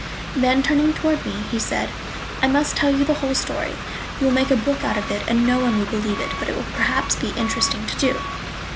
Then turning toward me, he said: "I must tell you the whole story; you will make a book out of it; no one will believe it, but it will perhaps be interesting to do."